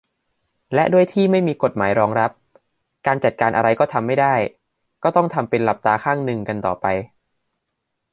และด้วยที่ไม่มีกฎหมายรองรับ การจัดการอะไรก็ทำไม่ได้ ก็ต้องทำเป็นหลับตาข้างนึงกันต่อไป